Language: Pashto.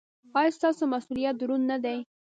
ایا ستاسو مسؤلیت دروند نه دی؟